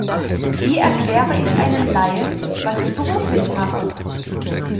Wie erkläre ich einem Laien, was ich beruflich mache?